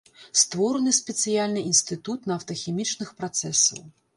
Створаны спецыяльны інстытут нафтахімічных працэсаў.